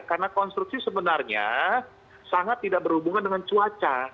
karena konstruksi sebenarnya sangat tidak berhubungan dengan cuaca